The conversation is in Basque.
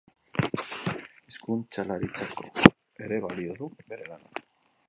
Hizkuntzalaritzako ere balio du bere lanak.